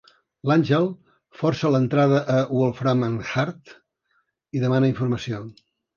L'Angel força l'entrada a Wolfram and Hart i demana informació.